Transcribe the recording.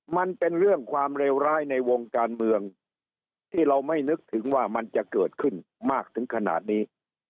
มันเป็นเรื่องความเลวร้ายในวงการเมืองที่เราไม่นึกถึงว่ามันจะเกิดขึ้นมากถึงขนาดนี้